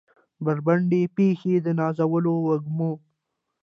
بربنډې پښې د نازولو وږمو